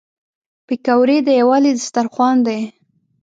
پکورې د یووالي دسترخوان دي